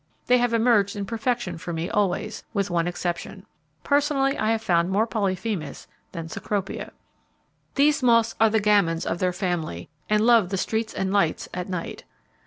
They have emerged in perfection for me always, with one exception. Personally, I have found more Polyphemus than Cecropia. These moths are the gamins of their family, and love the streets and lights at night.